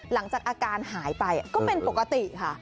หลังจากอาการหายไปก็เป็นปกติค่ะ